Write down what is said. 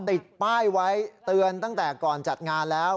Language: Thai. ติดป้ายไว้เตือนตั้งแต่ก่อนจัดงานแล้ว